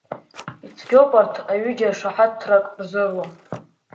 Ицәгьоуп арҭ аҩыџьа шаҳаҭрак рзура.